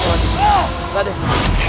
engkau yang memang engkau